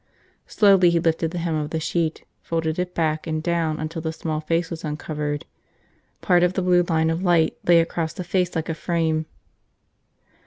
Slowly he lifted the hem of the sheet, folded it back and down until the small face was uncovered. Part of the blue line of light lay around the face like a frame.